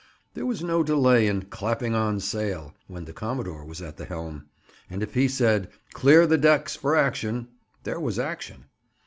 There was no delay in "clapping on sail" when the commodore was at the helm. And if he said: "Clear the decks for action," there was action.